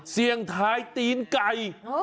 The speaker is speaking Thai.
เสียงทายตีนไก่